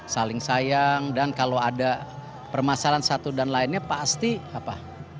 saling sayang dan kalau ada permasalahan satu dan lainnya pasti apa